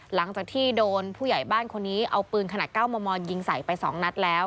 หลังจากที่โดนผู้ใหญ่บ้านคนนี้เอาปืนขนาด๙มมยิงใส่ไป๒นัดแล้ว